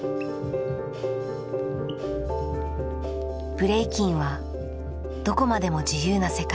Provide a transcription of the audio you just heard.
ブレイキンはどこまでも自由な世界。